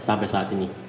sampai saat ini